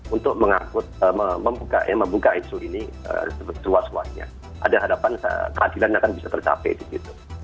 untuk mengambil membuka insul ini sebuah sebuahnya ada harapan keadilan akan bisa tercapai di situ